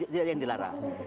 dan tidak ada yang dilarang